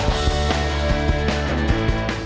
สุดท้ายครับ